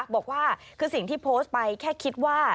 บอกว่าคือสิ่งที่โพสต์ไปแค่คิดว่า